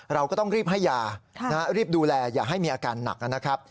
เราก็ต้องรีบให้ยารีบดูแลอย่าให้มีอาการหนักนะครับ